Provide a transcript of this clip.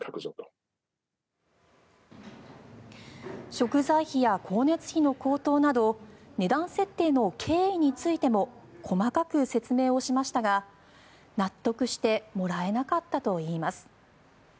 食材費や光熱費の高騰など値段設定の経緯についても細かく説明をしましたが納得してもらえなかったといいます。